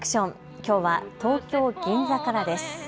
きょうは東京銀座からです。